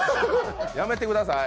やめてください。